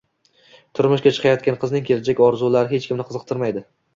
Turmushga chiqayotgan qizning kelajak orzulari hech kimni qiziqtirmaydi